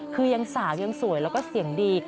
คือยังสาวยังสวยแล้วก็เสียงดี